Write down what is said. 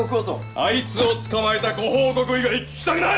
あいつを捕まえたご報告以外聞きたくない‼